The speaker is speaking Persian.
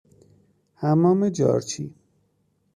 حمام جارچی